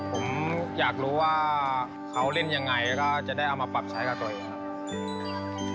ผมอยากรู้ว่าเขาเล่นยังไงก็จะได้เอามาปรับใช้กับตัวเองครับ